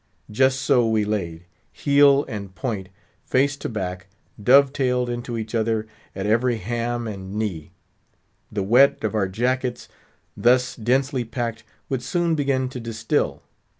Just so we laid; heel and point, face to back, dove tailed into each other at every ham and knee. The wet of our jackets, thus densely packed, would soon begin to distill.